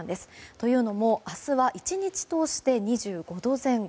というのも、明日は１日通して２５度前後。